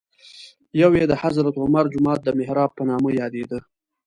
یو یې د حضرت عمر جومات د محراب په نامه یادېده.